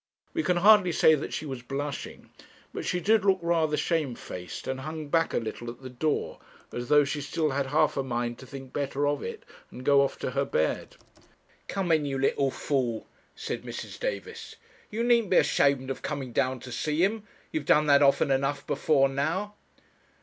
We can hardly say that she was blushing; but she did look rather shamefaced, and hung back a little at the door, as though she still had half a mind to think better of it, and go off to her bed. 'Come in, you little fool,' said Mrs. Davis. 'You needn't be ashamed of coming down to see him; you have done that often enough before now.'